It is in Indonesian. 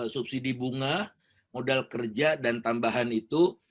subsidi bunga modal kerja dan tambahan itu